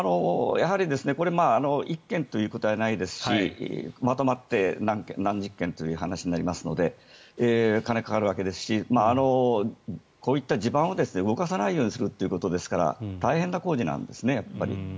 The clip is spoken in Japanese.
やはり１軒ということではないですしまとまって何十軒という話になりますのでお金はかかるわけですしこういった地盤を動かさないようにするということですから大変な工事なんですね。